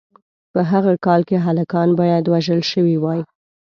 په هغه کال کې هلکان باید وژل شوي وای.